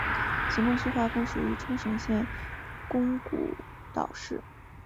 行政区划属于冲绳县宫古岛市。